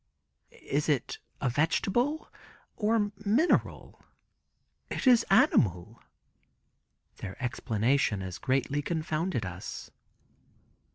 "Is it a vegetable or mineral?" "It is animal." Their explanation as greatly confounded us.